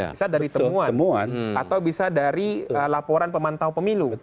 bisa dari temuan atau bisa dari laporan pemantau pemilu